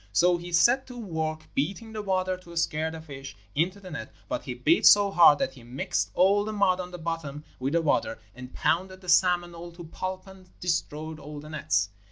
So he set to work beating the water to scare the fish into the net; but he beat so hard that he mixed all the mud on the bottom with the water, and pounded the salmon all to pulp and destroyed all the nets.